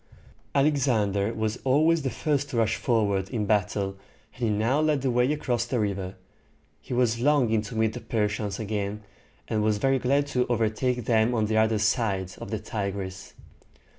Alexander was always the first to rush forward in battle, and he now led the way across the river. He was longing to meet the Persians again, and was very glad to overtake them on the other side of the Tigris.